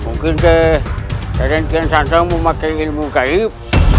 mungkin saya sering sering sasang memakai ilmu gaib